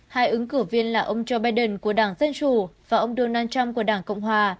hai ứng cử viên là ông joe biden của đảng dân chủ và ông donald trump của đảng cộng hòa